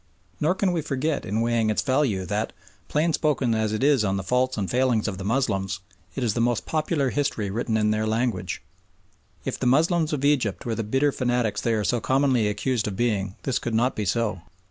Nor can we forget in weighing its value that, plain spoken as it is on the faults and failings of the Moslems, it is the most popular history written in their language. If the Moslems of Egypt were the bitter fanatics they are so commonly accused of being this could not be so.